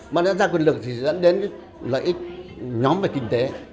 mà nó ra quyền lực thì dẫn đến lợi ích nhóm về kinh tế